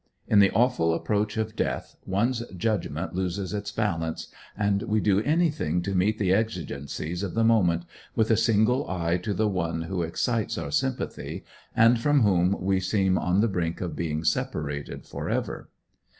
In the awful approach of death, one's judgment loses its balance, and we do anything to meet the exigencies of the moment, with a single eye to the one who excites our sympathy, and from whom we seem on the brink of being separated for ever.